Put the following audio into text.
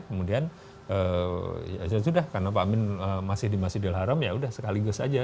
kemudian ya sudah karena pak amin masih di masjidil haram ya sudah sekaligus aja